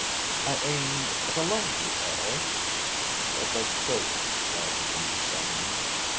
I aimed at a lively air; but I croaked rather than sung.